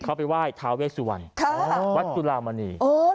เขาไปว่ายทาเวชสู้วันอ๋อว๊าถจุลามณีโอ้เหรอ